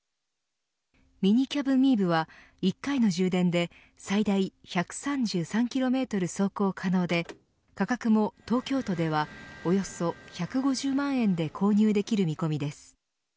ミニキャブ・ミーブは１回の充電で最大１３３キロメートル走行可能で価格も東京都ではおよそ１５０万円で購入できる見込みです。